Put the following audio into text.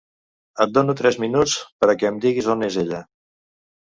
Et dono tres minuts per a què em diguis on és ella.